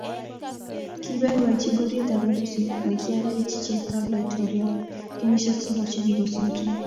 kiboiboichi ngoryetab arusit nekielach cheptab laitoriat kenyisiek somok che kikosirto